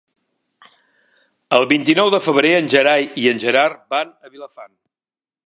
El vint-i-nou de febrer en Gerai i en Gerard van a Vilafant.